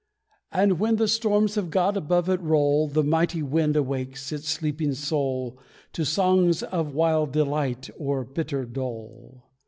And when the storms of God above it roll, The mighty wind awakes its sleeping soul To songs of wild delight or bitter dole.